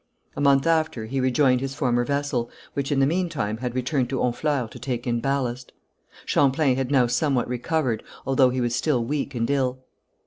A month after he rejoined his former vessel, which in the meantime had returned to Honfleur to take in ballast. Champlain had now somewhat recovered, although he was still weak and ill.